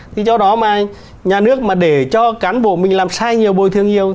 thì do đó mà nhà nước mà để cho cán bộ mình làm sai nhiều bồi thương nhiều